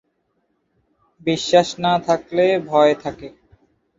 বিশ্বাস না থাকলে ভয় থাকে।